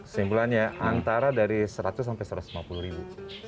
kesimpulannya antara dari seratus sampai satu ratus lima puluh ribu